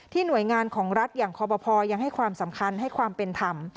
หน่วยงานของรัฐอย่างคอปภยังให้ความสำคัญให้ความเป็นธรรม